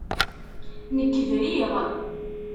Nekk briɣ.